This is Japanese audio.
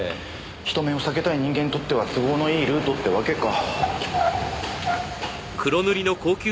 人目を避けたい人間にとっては都合のいいルートってわけか。